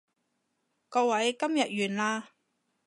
各位，今日完啦